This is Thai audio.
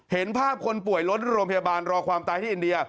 เห็นภาพคนป่วยรถโรงพยาบาลรอความตายที่อินเดีย